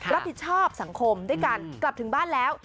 รับผิดชอบสังคมด้วยกันกลับถึงบ้านแล้ว